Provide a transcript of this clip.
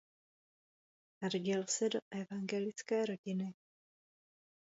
Narodil se do evangelické rodiny.